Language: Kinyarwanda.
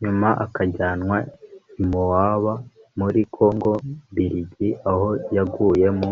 nyuma akajyanwa i moba muri kongo mbiligi aho yaguye mu